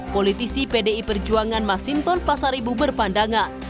politisi pdi perjuangan mas sintor pasaribu berpandangan